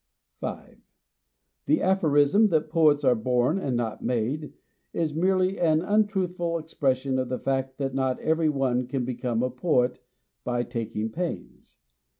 5. The aphorism that poets are born and not made is merely an untruthful expression of the fact that not every one can become a poet by taking pains.